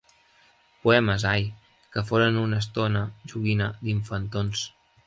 Poemes, ai!, que foren una estona joguina d’infantons.